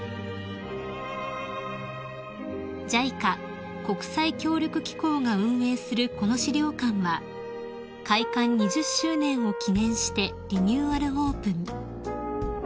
［ＪＩＣＡ国際協力機構が運営するこの資料館は開館２０周年を記念してリニューアルオープン］